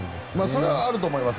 それはあると思います。